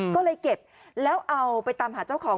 ก็เลยเก็บแล้วเอาไปตามหาเจ้าของ